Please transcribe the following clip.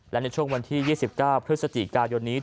และในช่วงวันที่๒๙พฤศจิกายนนี้